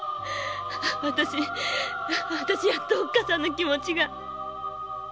わたしわたしやっとおっかさんの気持ちが。